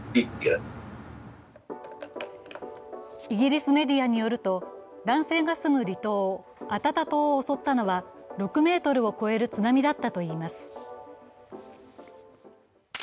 イギリスメディアによると男性が住む離島、アタタ島を襲ったのは６ｍを超える津波だったといいます。